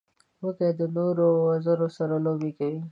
وزې د نورو وزو سره لوبې کوي